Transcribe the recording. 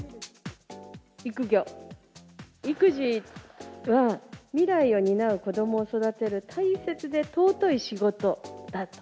育児が未来を担う子どもを育てる大切で尊い仕事だと。